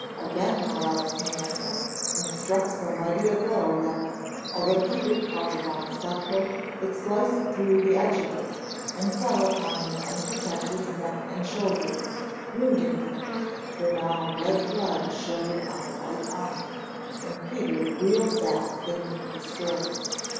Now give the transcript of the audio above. Again Morella came at him, and struck so mighty a blow that, although Peter caught it on his buckler, it sliced through the edge of it and fell upon his unprotected neck and shoulder, wounding him, for now red blood showed on the white armour, and Peter reeled back beneath the stroke.